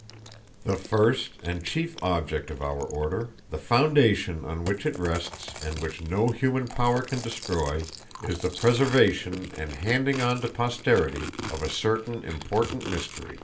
The first and chief object of our Order, the foundation on which it rests and which no human power can destroy, is the preservation and handing on to posterity of a certain important mystery...